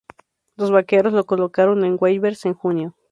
Los Vaqueros lo colocaron en waivers en junio.